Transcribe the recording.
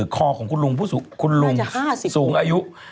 คอของคุณลุงคุณลุงสูงอายุ